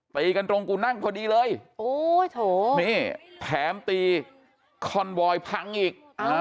ตีกันตรงกูนั่งพอดีเลยนี่แถมตีคอนวอยพังอีก